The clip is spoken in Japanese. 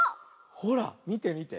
ほらみてみて。